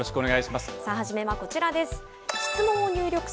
さあ、初めはこちらです。